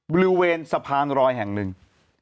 บริเวณสะพานรอยแห่งหนึ่ง